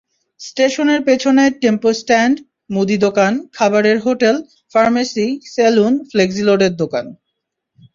স্টেশনের পেছনে টেম্পোস্ট্যান্ড, মুদি দোকান, খাবারের হোটেল, ফার্মেসি, সেলুন, ফ্লেক্সিলোডের দোকান।